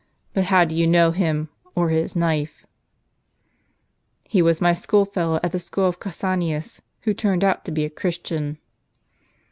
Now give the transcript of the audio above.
But how do you know him, or his knife ?" "He was my school fellow at the school of Cassianus, who turned out to be a Christian."